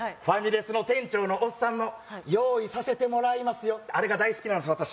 ファミレスの店長のオッサンの「用意させてもらいますよ」ってあれが大好きなんです